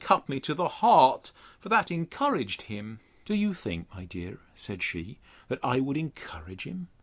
cut me to the heart: for that encouraged him. Do you think, my dear, said she, that I would encourage him?